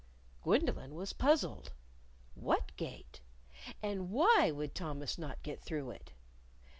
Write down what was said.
Gwendolyn was puzzled. What Gate? And why would Thomas not get through it?